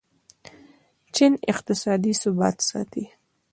چین اقتصادي ثبات ساتي.